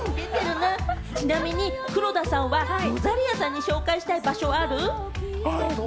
ちなみに黒田さんはロザリアさんに紹介したい場所はあります？